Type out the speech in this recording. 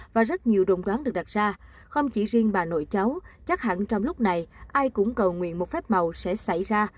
và rất nhiều đồng đoán được đặt ra không chỉ riêng bà nội cháu chắc hẳn trong lúc này ai cũng cầu nguyện một phép màu sẽ xảy ra